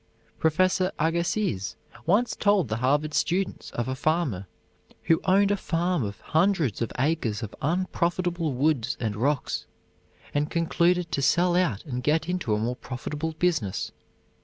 Professor Agassiz once told the Harvard students of a farmer who owned a farm of hundreds of acres of unprofitable woods and rocks, and concluded to sell out and get into a more profitable business.